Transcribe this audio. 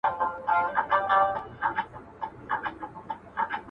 o جنگ په وسله، ننگ په غله٫